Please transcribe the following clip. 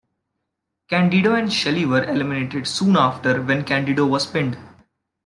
Candido and Shelley were eliminated soon after when Candido was pinned.